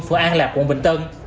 phủ an lạc quận bình tân